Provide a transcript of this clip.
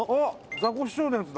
ザコシショウのやつだ！